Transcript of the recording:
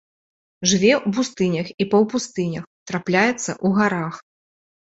Жыве ў пустынях і паўпустынях, трапляецца ў гарах.